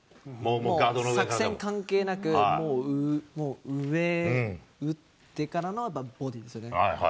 もう作戦関係なく、もう上打ってからのボディですよね。